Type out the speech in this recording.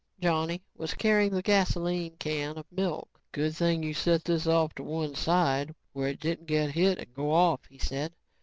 Johnny was carrying the gasoline can of milk. "Good thing you set this off to one side where it didn't get hit and go off," he said.